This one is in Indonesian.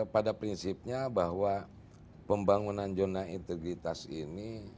pada prinsipnya bahwa pembangunan zona integritas ini